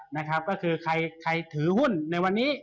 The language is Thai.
นะครับก็คือใครถือหุ้นในวันนี้